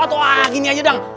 atau ah gini aja dong